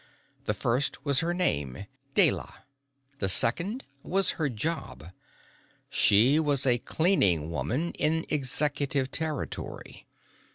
The first was her name: Deyla. The second was her job. She was a cleaning woman in Executive territory.